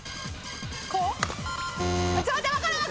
こう？